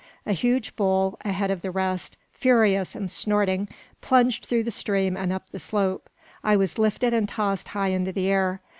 A huge bull, ahead of the rest, furious and snorting, plunged through the stream and up the slope. I was lifted and tossed high into the air.